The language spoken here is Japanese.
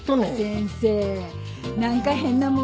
先生何か変なもの